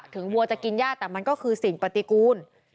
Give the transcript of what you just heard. วัวจะกินย่าแต่มันก็คือสิ่งปฏิกูล